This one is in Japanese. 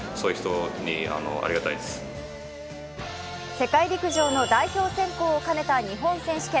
世界陸上の代表選考を兼ねた日本選手権。